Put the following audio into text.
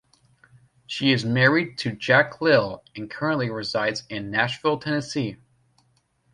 She is married to Jack Lyle and currently resides in Nashville, Tennessee.